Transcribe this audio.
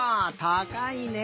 たかいね。